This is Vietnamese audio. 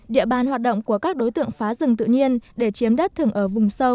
địa bàn hoạt động của các đối tượng phá rừng tự nhiên để chiếm đất thường ở vùng sâu